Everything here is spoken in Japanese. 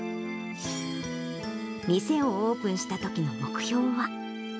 店をオープンしたときの目標は。